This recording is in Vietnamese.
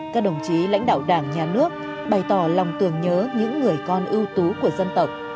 các đồng chí lãnh đạo đảng nhà nước bày tỏ lòng tưởng nhớ những người con ưu tú của dân tộc